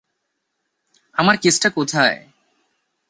আমার কেসটা কোথায়?